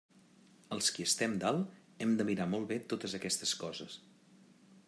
Els qui estem dalt hem de mirar molt bé totes aquestes coses.